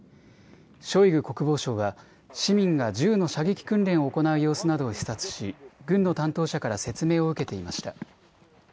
ショイグ国防相は市民が銃の射撃訓練を行う様子などを視察し軍の担当者から説明を受けていました。